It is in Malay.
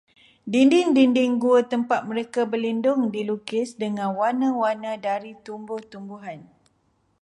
Dinding-dinding gua tempat mereka berlindung dilukis dengan warna-warna dari tumbuh-tumbuhan.